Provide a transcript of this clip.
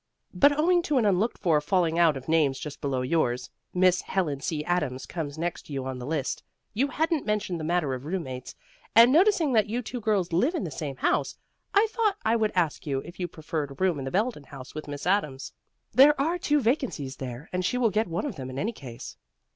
But owing to an unlooked for falling out of names just below yours, Miss Helen C. Adams comes next to you on the list. You hadn't mentioned the matter of roommates, and noticing that you two girls live in the same house, I thought I would ask you if you preferred a room in the Belden house with Miss Adams. There are two vacancies there, and she will get one of them in any case."